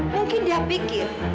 mungkin dia pikir